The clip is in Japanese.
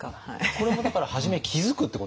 これもだから初め気付くってことですね